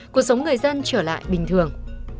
cuộc sống người dân trở lại bình thường